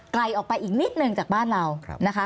ไกลออกไปอีกนิดนึงจากบ้านเรานะคะ